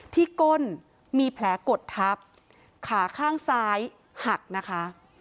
ก้นมีแผลกดทับขาข้างซ้ายหักนะคะ